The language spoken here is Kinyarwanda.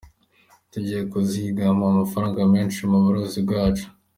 Tugiye kuzigama amafaranga menshi mu buruzi bwacu.